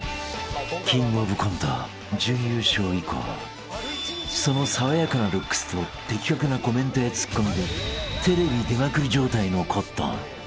［キングオブコント準優勝以降その爽やかなルックスと的確なコメントやツッコミでテレビ出まくり状態のコットン］